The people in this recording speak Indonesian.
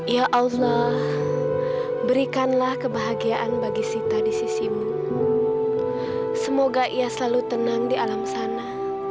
ya allah berikanlah kebahagiaan bagi sita di sisimu semoga ia selalu tenang di alam sana